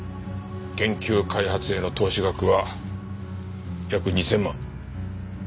研究開発への投資額は約２０００万。